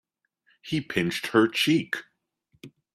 He pinched her cheek.